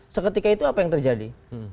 seketika itu apa yang terjadi